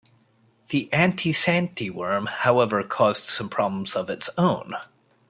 The anti-Santy worm, however, caused some problems of its own.